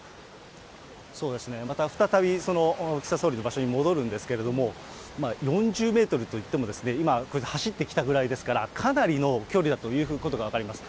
そうですね、また再び岸田総理の場所に戻るんですけれども、４０メートルといっても、今、走ってきたぐらいですから、かなりの距離だということが分かります。